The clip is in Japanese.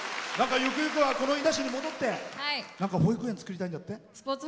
ゆくゆくは、この飯田市に戻って保育園、つくりたいんだって？